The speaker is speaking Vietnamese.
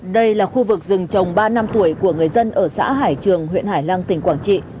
đây là khu vực rừng trồng ba năm tuổi của người dân ở xã hải trường huyện hải lăng tỉnh quảng trị